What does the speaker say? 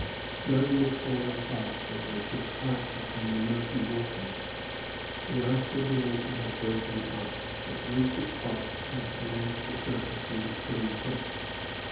Snow was &lling fast as they pushed out upon the murky waters. The ice of the winter had broken up, but recent frosts had glazed the sur &ce with a thin crust.